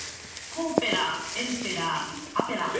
コーペラーエンペラーアペラー。